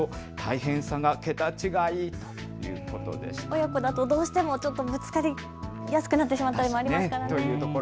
親子だとどうしてもぶつかりやすくなってしまうというの、ありますからね。